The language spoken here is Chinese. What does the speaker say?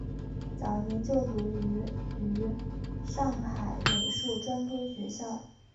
早年就读于于上海美术专科学校。